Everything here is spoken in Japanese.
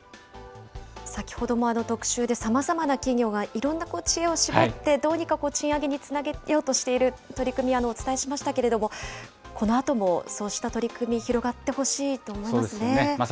先ほども特集で、さまざまな企業がいろんな知恵を絞って、どうにか賃上げにつなげようとしている取り組み、お伝えしましたけれども、このあともそうした取り組み、広がってほしいと思いますね。